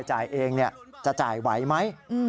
จ่ายเองจะจ่ายไหวไหม